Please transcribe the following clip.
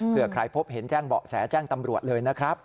เพื่อใครพบเห็นแจ้งเบาะแสแจ้งตำรวจเลยนะครับ